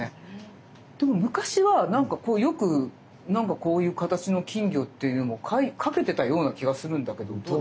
でも昔はなんかこうよくこういう形の金魚っていう絵も描けてたような気がするんだけど。と思います。